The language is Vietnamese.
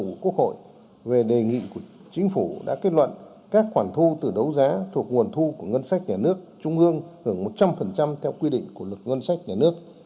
của quốc hội về đề nghị của chính phủ đã kết luận các khoản thu từ đấu giá thuộc nguồn thu của ngân sách nhà nước trung ương hưởng một trăm linh theo quy định của luật ngân sách nhà nước